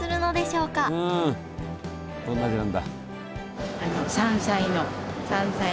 うんどんな味なんだ？